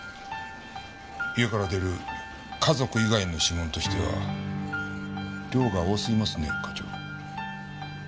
家から出る家族以外の指紋としては量が多すぎますね課長。